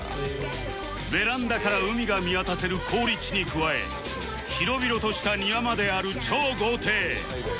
ベランダから海が見渡せる好立地に加え広々とした庭まである超豪邸